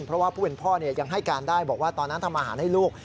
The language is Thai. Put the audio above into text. เพราะว่าผู้เป็นพ่อยังให้การได้บอกว่าตอนนั้นทำอาหารให้ลูก